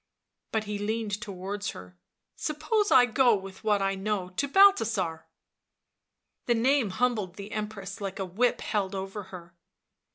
But 77 — he leaned towards her —" suppose I go with what I know to Balthasar? 77 The name humbled the Empress like a whip held over her.